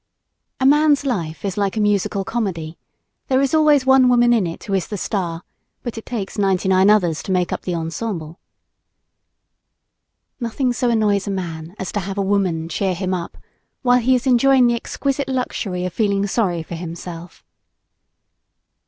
A man's life is like a musical comedy; there is always one woman in it who is the star but it takes ninety nine others to make up the "ensemble." Nothing so annoys a man as to have a woman "cheer him up," when he is enjoying the exquisite luxury of feeling sorry for himself.